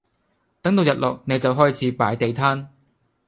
等到日落你就開始擺地攤